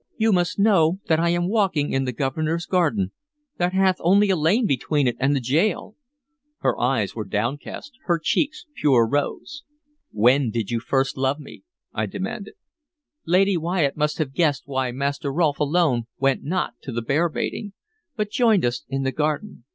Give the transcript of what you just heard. "You must know that I am walking in the Governor's garden, that hath only a lane between it and the gaol." Her eyes were downcast, her cheeks pure rose. "When did you first love me?" I demanded. "Lady Wyatt must have guessed why Master Rolfe alone went not to the bear baiting, but joined us in the garden.